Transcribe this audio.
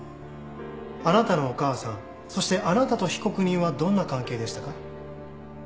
あなたのお母さんそしてあなたと被告人はどんな関係でしたか。